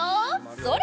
それ！